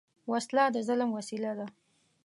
وسله د ظلم وسیله ده